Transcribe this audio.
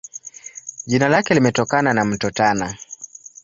Jina lake limetokana na Mto Tana.